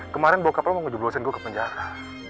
kemarin bokap lo mau ngejublosin gue ke penjara